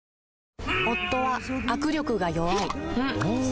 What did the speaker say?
夫は握力が弱い